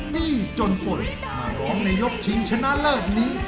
นี่จนฝนร้องในยกชิงชนะเลิศนี้